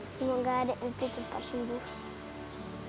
semoga adik pipi tetap hidup